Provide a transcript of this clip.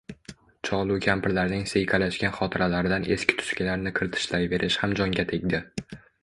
Cholu kampirlarning siyqalashgan xotiralaridan eski-tuskilarni qirtishlayverish ham jonga tegdi…